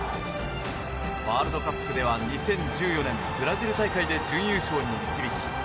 ワールドカップでは２０１４年ブラジル大会で準優勝に導き